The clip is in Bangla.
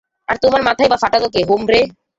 আর তোমার মাথাই বা ফাটালো কে, হোমব্রে?